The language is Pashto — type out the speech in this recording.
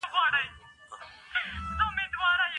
مقاومت مې د ژوند تر ټولو لویه شتمني ثابته شوه.